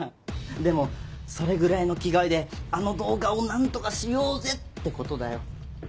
でもそれぐらいの気概であの動画を何とかしようぜってことだよ。